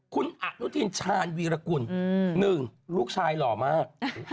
คุณอาทิตย์ชาญวีรกุลหนึ่งลูกชายหล่อมาก